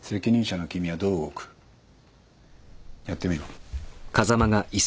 やってみろ。